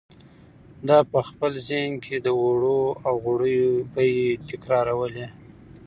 ده په خپل ذهن کې د اوړو او غوړیو بیې تکرارولې.